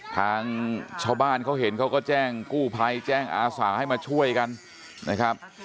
ทางชาวบ้านเขาเห็นเขาก็แจ้งกู้ภัยแจ้งอาสาให้มาช่วยกันนะครับ